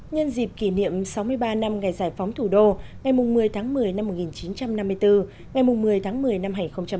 nhân dịp kỷ niệm sáu mươi ba năm ngày giải phóng thủ đô ngày một mươi tháng một mươi năm một nghìn chín trăm năm mươi bốn ngày một mươi tháng một mươi năm hai nghìn hai mươi